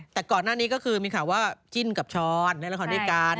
แต่ก่อนหน้านี้ก็คือมีข่าวว่าจิ้นกับช้อนเล่นละครด้วยกัน